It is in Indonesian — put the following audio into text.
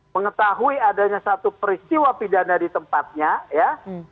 mengetahui adanya satu peristiwa pidana di tempatnya ya